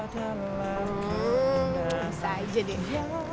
bisa aja deh